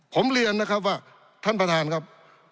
ผมเรียนนะครับว่าท่านประธานครับ